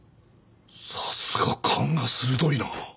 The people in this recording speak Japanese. さすが勘が鋭いな。